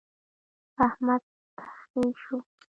احمد خې شو.